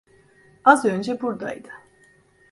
Az önce buradaydı.